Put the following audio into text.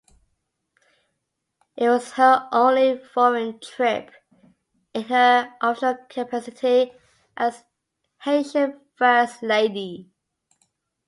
It was her only foreign trip in her official capacity as Haitian first lady.